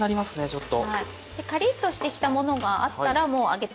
カリッとしてきたものがあったらもう上げていきましょう。